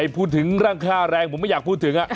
พูดถึงเรื่องค่าแรงผมไม่อยากพูดถึง